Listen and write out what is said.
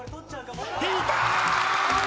引いた！